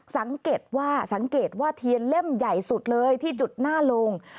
สังเกตว่าเทียนเล่มใหญ่สุดเลยที่จุดหน้าโรง